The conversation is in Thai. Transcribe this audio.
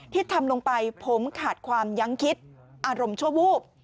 ทำลงไปผมขาดความยั้งคิดอารมณ์ชั่ววูบ